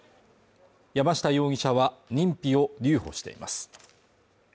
山下容疑者は認否を留保しています。